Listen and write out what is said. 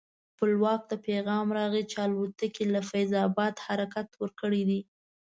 خپلواک ته پیغام راغی چې الوتکې له فیض اباد حرکت ورکړی دی.